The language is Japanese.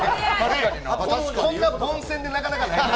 こんな凡戦でなかなかない。